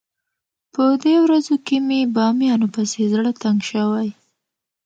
په دې ورځو کې مې بامیانو پسې زړه تنګ شوی.